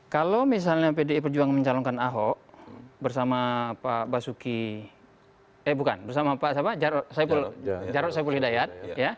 kalau misalnya pdi perjuangan mencalonkan ahok bersama pak basuki eh bukan bersama pak jarod saiful hidayat